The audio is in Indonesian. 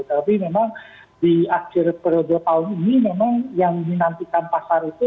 tapi memang di akhir periode tahun ini memang yang dinantikan pasar itu